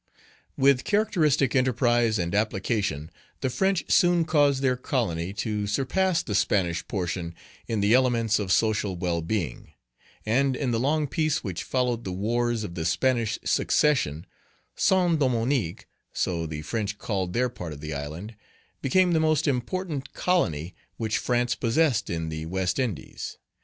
With characteristic enterprise and application, the French soon caused their colony to surpass the Spanish portion in the elements of social well being; and in the long peace which followed the wars of the Spanish succession, Saint Domingue (so the French called their part of the island) became the most important colony which France possessed in the West Indies.